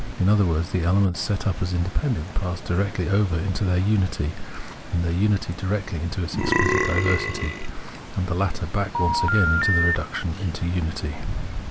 In otlier words, the elements set up as independent pass directly over into their unity, and their unity directly into its exphcit diversity, and the latter back once again into the reduction to unity.